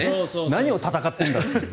何を戦っているんだと。